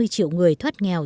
ba mươi triệu người thoát nghèo